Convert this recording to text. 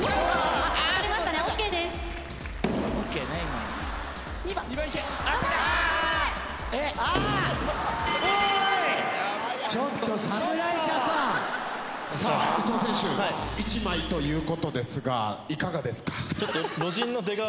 はい。